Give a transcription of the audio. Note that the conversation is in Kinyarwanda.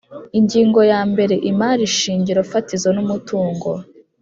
Ingingo ya mbere Imari shingiro fatizo n umutungo